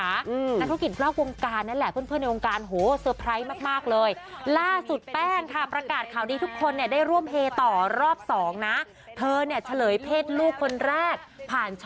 นักธุรกิจรอบวงการนั่นแหละเพื่อนในวงการ